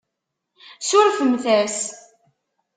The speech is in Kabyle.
Surfemt-as.